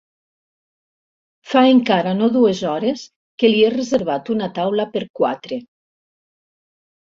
Fa encara no dues hores que l'hi he reservat una taula per quatre.